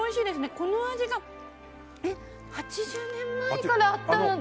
この味が８０年前からあったなんて！